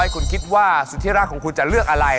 คุณคิดว่าสุธิราชของคุณจะเลือกอะไร